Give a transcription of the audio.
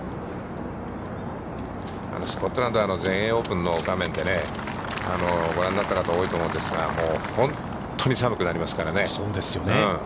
スコットランドは、全英オープンで、ご覧になった方が多いと思うんですが、もう本当に寒くなりますからね。